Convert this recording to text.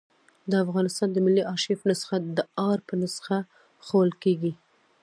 د افغانستان د ملي آرشیف نسخه د آر په نخښه ښوول کېږي.